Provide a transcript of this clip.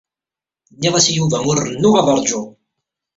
Nniɣ-as i Yuba ur rennuɣ ad ṛǧuɣ.